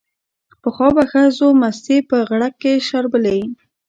پخوا به ښځو مستې په غړګ کې شربلې